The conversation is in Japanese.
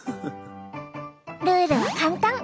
ルールは簡単！